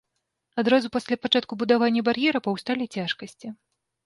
Адразу пасля пачатку будавання бар'ера паўсталі цяжкасці.